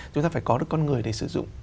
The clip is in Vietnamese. chúng ta phải có được con người để sử dụng